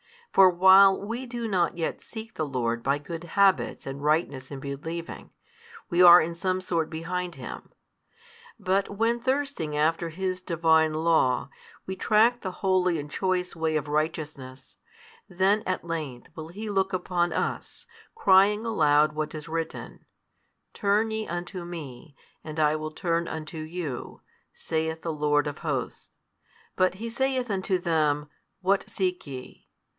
For while we do not yet seek the Lord by good habits and Tightness in believing, we are in some sort behind Him: but when, thirsting after His Divine law, we track the holy and choice way of righteousness, then at length will He look upon us, crying aloud what is written, Turn ye unto Me, and I will turn unto you, saith the Lord of Hosts. But He saith unto them, What seek ye?